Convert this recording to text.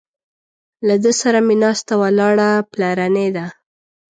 له ده سره مې ناسته ولاړه پلرنۍ ده.